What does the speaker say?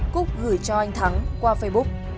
cúc gửi cho anh thắng qua facebook